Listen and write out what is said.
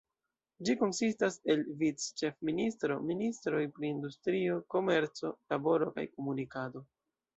Ĝi konsistas el vic-ĉefministro, ministroj pri industrio, komerco, laboro kaj komunikado.